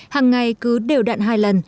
hằng ngày cứ đều đặn hai lần